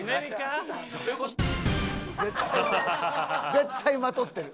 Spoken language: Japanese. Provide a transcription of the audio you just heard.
絶対まとってる。